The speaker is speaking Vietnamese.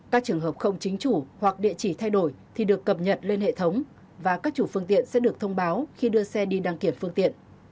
các trường hợp không chính chủ hoặc địa chỉ thay đổi thì được cập nhật lên hệ thống và các chủ phương tiện sẽ được thông báo khi đưa xe đi đăng kiểm phương tiện